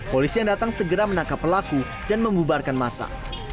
polisi yang datang segera menangkap pelaku dan membubarkan masa